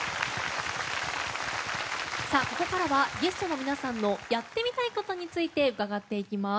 ここからはゲストの皆さんのやってみたいことについて伺っていきます。